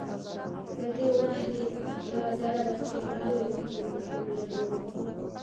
تر دې وړاندې یوه دره وه چې لویو تیږو کې کورونه جوړ وو.